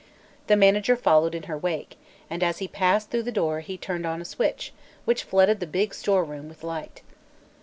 The manager followed in her wake and as he passed through the door he turned a switch which flooded the big store room with light.